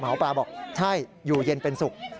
หมอปลาบอกใช่อยู่เย็นเป็นสุข